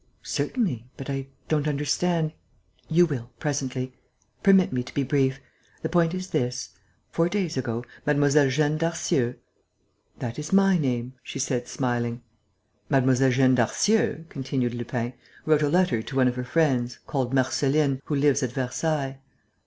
"Certainly, but I don't understand...." "You will, presently. Permit me to be brief. The point is this: four days ago, Mlle. Jeanne Darcieux...." "That is my name," she said, smiling. "Mlle. Jeanne Darcieux," continued Lupin, "wrote a letter to one of her friends, called Marceline, who lives at Versailles...."